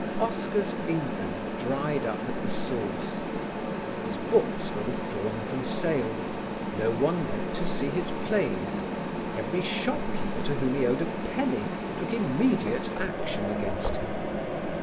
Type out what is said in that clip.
Oscar's income dried up at the source. His books were withdrawn from sale; no one went to see his plays; every shop keeper to whom he owed a penny took immediate action against him.